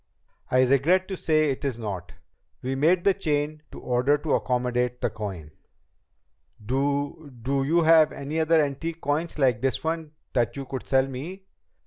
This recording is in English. "I regret to say it is not. We made the chain to order to accommodate the coin." "Do do you have any other antique coins like this one that you could sell me?"